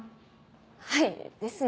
はいですね。